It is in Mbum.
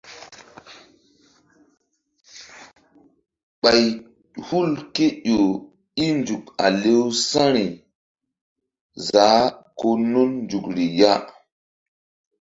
Ɓay hul ké ƴo i nzuk a lewsa̧ri za̧h ko nun nzukri ya.